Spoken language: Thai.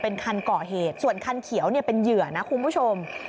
เป็นคันก่อเหตุส่วนคันเขียวเนี่ยเป็นเหยื่อนะคุณผู้ชม